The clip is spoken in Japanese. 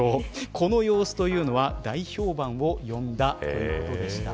この様子というのは大評判を呼んだということでした。